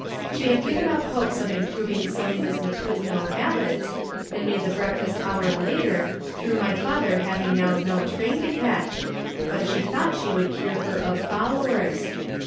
She had given up hopes of improving Selina's matutinal habits, and made the breakfast hour later through my father having now no train to catch, but she thought she would cure her of followers.